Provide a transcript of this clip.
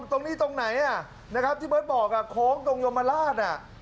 ตรงนี้ตรงไหนอ่ะนะครับที่เบิร์ตบอกอ่ะโขงตรงยมลาทอ่ะ